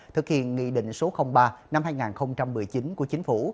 thực hiện nghị định số ba năm hai nghìn một mươi chín của chính phủ